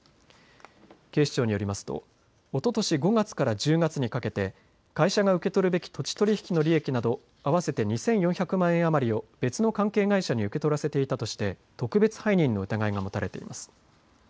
警視庁によりますとおととし５月から１０月にかけて会社が受け取るべき土地取り引きの利益など合わせて２４００万円余りを別の関係会社に受け取らせていたとして特別背任の疑いが持たれています。